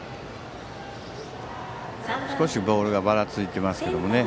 少しボールがばらついていますけどね。